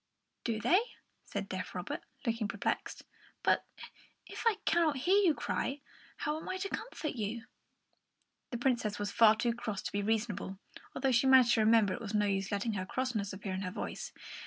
"Do they?" said deaf Robert, looking perplexed. "But if I cannot hear you cry, how am I to comfort you?" The Princess was far too cross to be reasonable, though she managed to remember that it was no use letting her crossness appear in her voice.